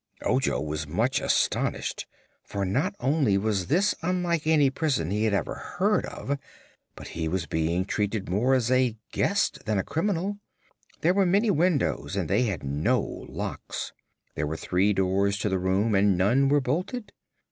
Ojo was much astonished, for not only was this unlike any prison he had ever heard of, but he was being treated more as a guest than a criminal. There were many windows and they had no locks. There were three doors to the room and none were bolted.